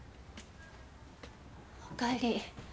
おかえり。